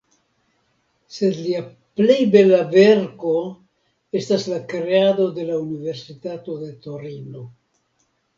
Sed lia plej bela verko estas la kreado de la universitato de Torino.